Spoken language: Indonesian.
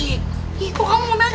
iya kok kamu mau bela belah aku